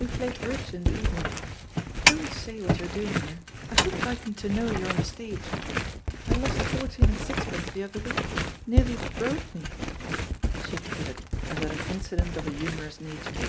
We play bridge in the evening. Don't say what you're doing here — ^I shouldn't like them to know you're cm the stage. I lost fourteen and sixpence the other week. Nearly *broke' me 1" She tittered, as at an incident of a humorous nature.